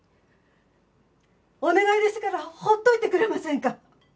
お願いですから放っておいてくれませんか？